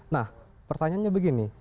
nah pertanyaannya begini